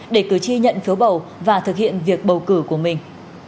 để cử tri nhận phiếu bầu và thực hiện việc bầu cử của mình